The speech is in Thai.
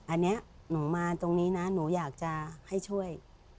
อันนี้หนูมาตรงนี้นะหนูอยากจะให้ช่วย